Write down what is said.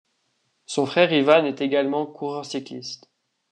Son frère Ivan est également coureur cycliste.